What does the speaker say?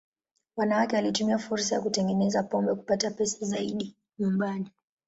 Wanawake walitumia fursa ya kutengeneza pombe kupata pesa zaidi nyumbani.